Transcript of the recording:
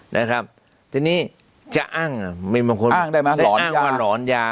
นะครับทีนี้จะอ้างเดอะอ้างได้มั้ยร้อนยาเละอ้างฤหารหลอนยา